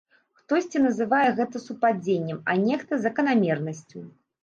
Хтосьці называе гэта супадзеннем, а нехта заканамернасцю.